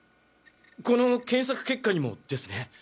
この検索結果にもですね。